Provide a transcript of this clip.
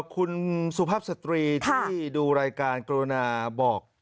คุณสุภาพสตรีที่ดูรายการกรุณาบอก